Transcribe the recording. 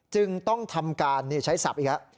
จึงต้องทำการใช้ศัพท์อีกแล้ว